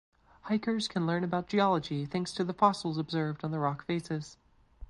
Hikers can learn about geology thanks to the fossils observed on the rock faces.